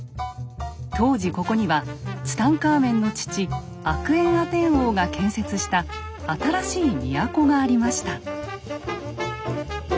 当時ここにはツタンカーメンの父アクエンアテン王が建設した新しい都がありました。